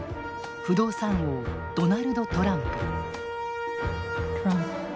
不動産王ドナルド・トランプ。